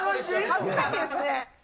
恥ずかしいですね。